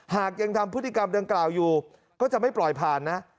หากยังทำพฤติกรรมดังกล่าวอยู่ก็จะไม่ปล่อยผ่านนะ